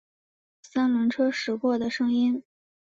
三轮车驶过的声音